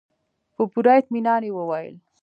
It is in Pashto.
په پوره اطمينان يې وويل.